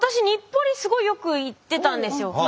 日暮里すごいよく行ってたんですよ。